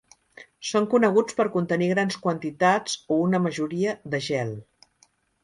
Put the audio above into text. Són coneguts per contenir grans quantitats, o una majoria, de gel.